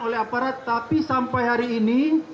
oleh aparat tapi sampai hari ini